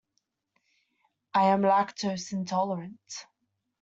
I am lactose intolerant.